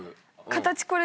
形これ。